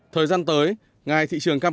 thời gian tới ngày thị trường cao